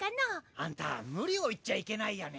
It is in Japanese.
あんたムリを言っちゃいけないやね。